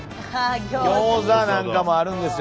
ギョーザなんかもあるんですよ。